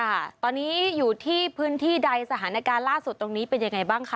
ค่ะตอนนี้อยู่ที่พื้นที่ใดสถานการณ์ล่าสุดตรงนี้เป็นยังไงบ้างคะ